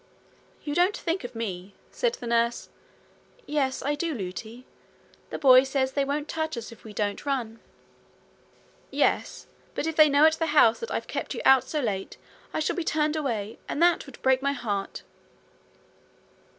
'You don't think of me,' said the nurse. 'Yes, I do, Lootie. The boy says they won't touch us if we don't run.' 'Yes, but if they know at the house that I've kept you out so late I shall be turned away, and that would break my heart.'